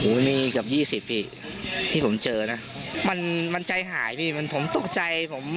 มีเกือบยี่สิบพี่ที่ผมเจอนะมันมันใจหายพี่มันผมตกใจผม